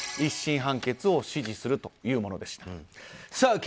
１審判決を支持するというものでした。